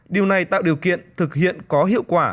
điều này tạo điều kiện thực hiện có hiệu quả